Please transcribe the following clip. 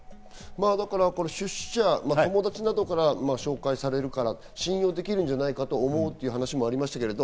出資者、友達などから紹介されるから、信用できるんじゃないかと思うという話もありましたけど。